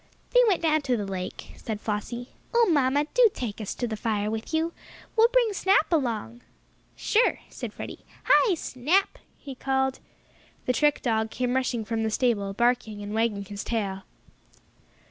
"They went down to the lake," said Flossie. "Oh, mamma, do take us to the fire with you. We'll bring Snap along." "Sure," said Freddie. "Hi, Snap!" he called. The trick dog came rushing from the stable, barking and wagging his tail.